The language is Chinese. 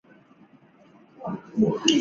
威廉姆斯承认他有时会很顽固。